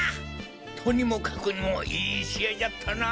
とにもかくにもいい試合じゃったな。